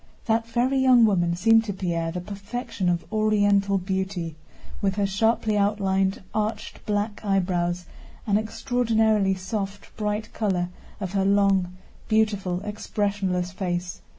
That very young woman seemed to Pierre the perfection of Oriental beauty, with her sharply outlined, arched, black eyebrows and the extraordinarily soft, bright color of her long, beautiful, expressionless face.